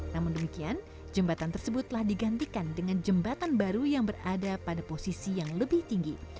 namun demikian jembatan tersebut telah digantikan dengan jembatan baru yang berada pada posisi yang lebih tinggi